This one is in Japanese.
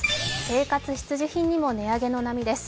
生活必需品にも値上げの波です。